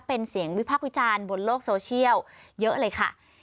เป็นเสียงวิพากษ์วิจารณ์บนโลกโซเชียลเยอะเลยค่ะ